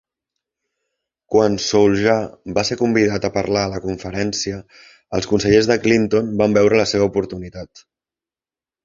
Quan Souljah va ser convidat a parlar a la conferència, els consellers de Clinton van veure la seva oportunitat.